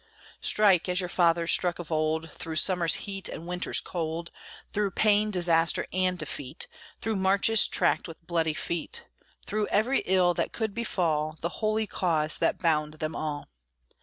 Strike, as your fathers struck of old; Through summer's heat, and winter's cold; Through pain, disaster, and defeat; Through marches tracked with bloody feet; Through every ill that could befall The holy cause that bound them all!